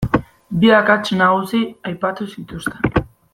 Bi akats nagusi aipatu zituzten.